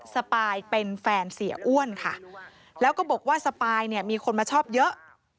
สปายเป็นแฟนเสียอ้วนค่ะแล้วก็บอกว่าสปายเนี่ยมีคนมาชอบเยอะ